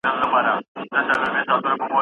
ایا څېړونکی باید سرچینې وڅېړي؟